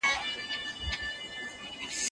سياسي ثبات وساتئ ترڅو اقتصاد مو وده وکړي.